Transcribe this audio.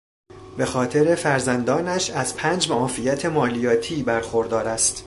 به خاطر فرزندانش از پنج معافیت مالیاتی برخوردار است.